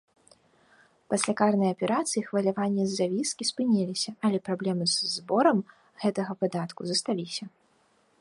Пасля карнай аперацыі хваляванні з-за віскі спыніліся, але праблемы з зборам гэтага падатку засталіся.